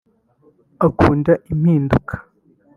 Akunda impinduka